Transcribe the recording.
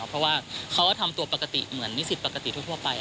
เพราะว่าเขาก็ทำตัวปกติเหมือนนิสิตปกติทั่วไป